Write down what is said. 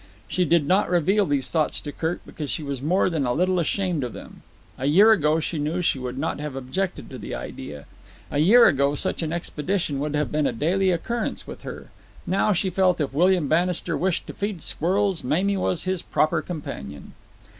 She did not reveal these thoughts to Kirk because she was more than a little ashamed of them. A year ago, she knew, she would not have objected to the idea. A year ago such an expedition would have been a daily occurrence with her. Now she felt if William Bannister wished to feed squirrels, Mamie was his proper companion.